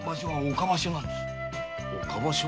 岡場所？